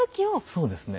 そうですね。